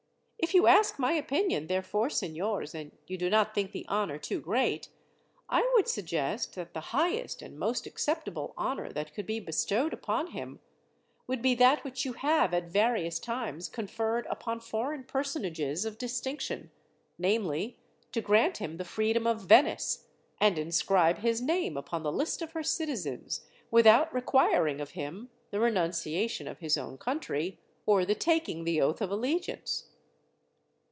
If you ask my opinion, therefore, signors, and you do not think the honour too great, I would suggest that the highest and most acceptable honour that could be bestowed upon him, would be that which you have at various times conferred upon foreign personages of distinction, namely, to grant him the freedom of Venice, and inscribe his name upon the list of her citizens, without requiring of him the renunciation of his own country, or the taking the oath of allegiance."